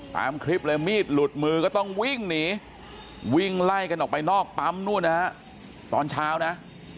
ตามคลิปเลยมีดหลุดมือก็ต้องวิ่งหนีวิ่งไล่กันออกไปนอกปั๊มนู่นนะฮะตอนเช้านะ